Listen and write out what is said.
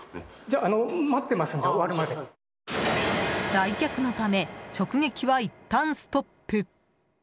来客のため直撃はいったんストップ。